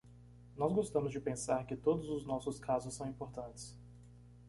Nós gostamos de pensar que todos os nossos casos são importantes.